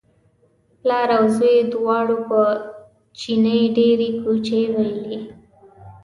پلار او زوی دواړو په چیني ډېرې کوچې وویلې.